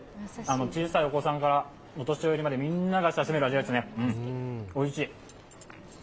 小さいお子さんからお年寄りまでみんなが親しめる味ですね、おいしい。